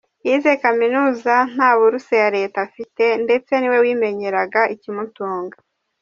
Yize kaminuza nta buruse ya Leta afite ndetse ni we wimenyeraga ikimutunga.